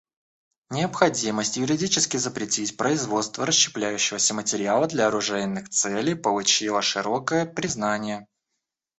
Необходимость юридически запретить производство расщепляющегося материала для оружейных целей получила широкое признание.